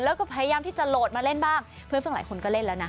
แล้วก็พยายามที่จะโหลดมาเล่นบ้างเพื่อนฟังหลายคนก็เล่นแล้วนะ